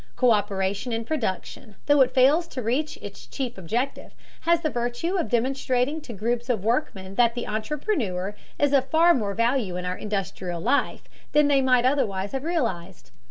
Co÷peration in production, though it fails to reach its chief objective, has the virtue of demonstrating to groups of workmen that the entrepreneur is of far more value in our industrial life than they might otherwise have realized.